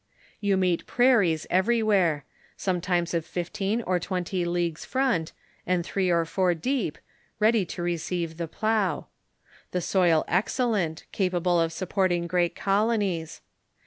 You meet prairies everywhere ; sometimes of fifteen or twenty leagues front, and three or four deep, ready to receive the plough. The soil excellent, capable of supporting great colonies.